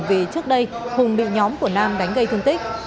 vì trước đây hùng bị nhóm của nam đánh gây thương tích